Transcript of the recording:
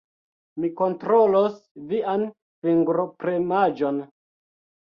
Mi kontrolos vian fingropremaĵon.